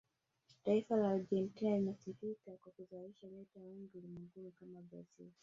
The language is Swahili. taifa la argentina linasifika kwa kuzalisha nyota wengi ulimwenguni kama brazil